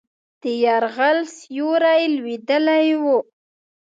د یرغل سیوری لوېدلی وو.